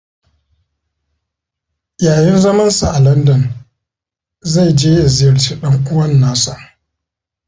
Yayin zamansa a Landan, zai je ya ziyarci dan uwan nasa.